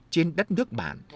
trên đất nước bản